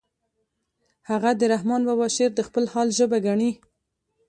هغه د رحمن بابا شعر د خپل حال ژبه ګڼي